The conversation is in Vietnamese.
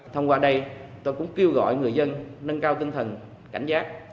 thông qua đây tôi cũng kêu gọi người dân nâng cao tinh thần cảnh giác